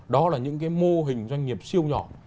đó là những cái mô hình doanh nghiệp siêu nhỏ